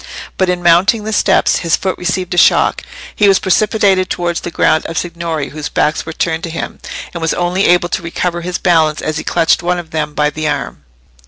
But in mounting the steps, his foot received a shock; he was precipitated towards the group of signori, whose backs were turned to him, and was only able to recover his balance as he clutched one of them by the arm.